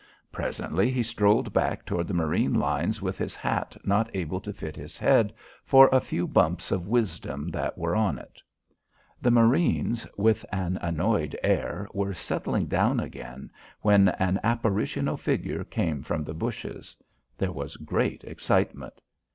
Presently he strolled back toward the marine lines with his hat not able to fit his head for the new bumps of wisdom that were on it. The marines, with an annoyed air, were settling down again when an apparitional figure came from the bushes. There was great excitement.